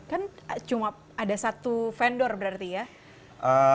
kan cuma ada satu vendor berarti ya